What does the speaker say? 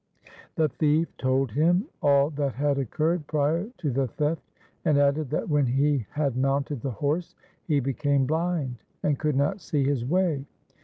The thief told him all that had occurred prior to the theft, and added that when he had mounted the horse he became blind and could not see his way.